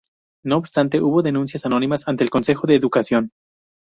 No obstante, hubo denuncias anónimas ante el Consejo de Educación.